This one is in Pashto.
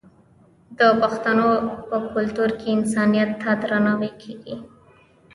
د پښتنو په کلتور کې انسانیت ته درناوی کیږي.